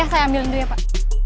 saya ambil dulu ya pak